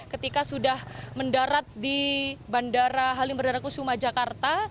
ketika sudah mendarat di bandara halim perdana kusuma jakarta